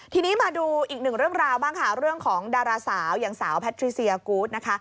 ทีนี้มาดูอีกหนึ่งเรื่องราวบ้างค่ะเรื่องของดาราสาวอย่างสาวแพทริเซียกูธนะคะ